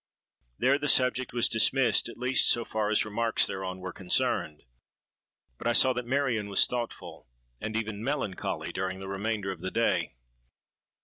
There the subject was dismissed, at least so far as remarks thereon were concerned; but I saw that Marion was thoughtful and even melancholy during the remainder of the day.